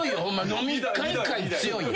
飲み会回強いよ。